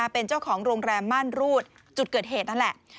เป็นเจ้าของโรงแรมม่านรูดจุดเกิดเหตุนั่นแหละ